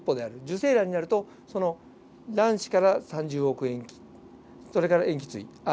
受精卵になるとその卵子から３０億塩基それから塩基対ですね。